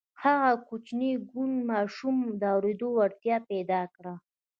هغه کوچني کوڼ ماشوم د اورېدو وړتیا پیدا کړه